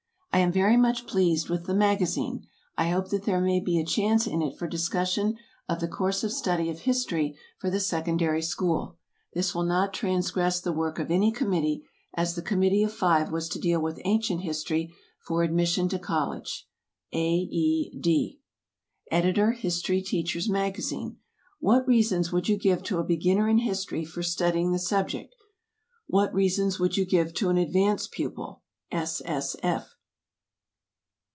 I am very much pleased with the MAGAZINE. I hope that there may be a chance in it for discussion of the course of study of history for the secondary school. This will not transgress the work of any committee, as the Committee of Five was to deal with Ancient History for admission to college. A. E. D. Editor HISTORY TEACHER'S MAGAZINE. What reasons would you give to a beginner in history for studying the subject? What reasons would you give to an advanced pupil? S. S. F.